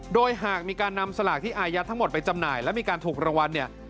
โดยหากมีการนำสลากที่อายัดทั้งหมดไปจำหน่ายและมีการถูกรางวัลเนี่ย